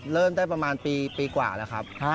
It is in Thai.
เริ่มได้ประมาณปีกว่าแล้วครับ